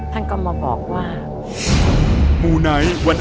ท่านก็มาบอกว่า